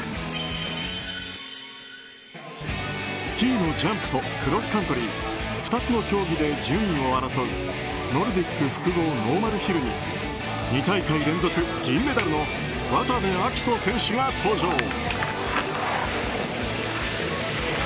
スキーのジャンプとクロスカントリー２つの競技で順位を争うノルディック複合ノーマルヒルに２大会連続銀メダルの渡部暁斗選手が登場。